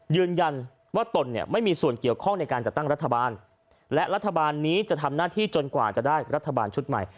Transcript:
ยืนยันว่าตนเนี่ยไม่มีส่วนเกี่ยวข้องในการจัดตั้งรัฐบาลและรัฐบาลนี้จะทำหน้าที่จนกว่าจะได้รัฐบาลชุดใหม่